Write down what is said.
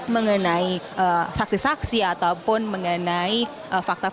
mengenai saksi saksi ataupun mengenai faktornya